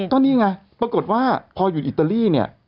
ก็นี่ไงปรากฏว่าพออยู่อิตาลีเนี่ย